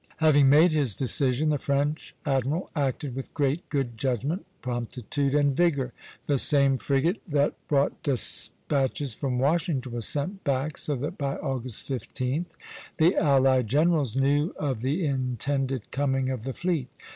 Having made his decision, the French admiral acted with great good judgment, promptitude, and vigor. The same frigate that brought despatches from Washington was sent back, so that by August 15th the allied generals knew of the intended coming of the fleet.